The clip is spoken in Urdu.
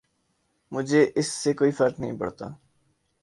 مجھے اس سے کوئی فرق نہیں پڑتا۔